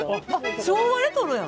昭和レトロやん。